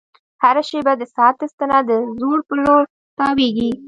هره شېبه د ساعت ستنه د ځوړ په لور تاوېږي.